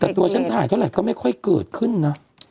แต่ตัวฉันถ่ายเท่าไหร่ก็ไม่ค่อยเกิดขึ้นนะ